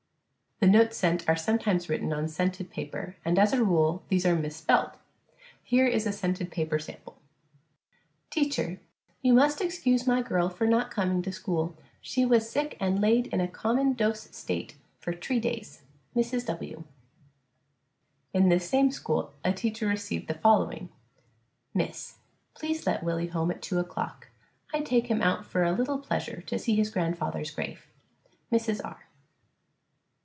The notes sent are sometimes written on scented paper, and as a rule these are misspelled. Here is a scented paper sample: Teacher: You must excuse my girl for not coming to school, she was sick and lade in a common dose state for tree days. MRS. W. In this same school a teacher received the following: _Miss _: Please let Willie home at 2 o'clock. I take him out for a little pleasure to see his grandfather's grave. MRS. R.